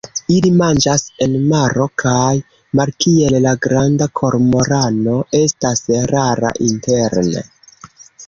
Ili manĝas en maro, kaj, malkiel la Granda kormorano, estas rara interne.